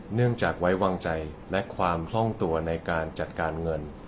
เนื่องจากไว้วางใจและความคล่องตัวในการจัดการเงิน